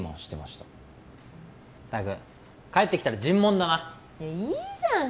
ったく帰ってきたら尋問だないいじゃん